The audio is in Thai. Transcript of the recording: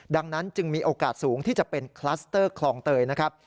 ดังนั้นจึงมีโอกาสสูงที่จะเป็นคลัสเตอร์คลองเตยนะครับ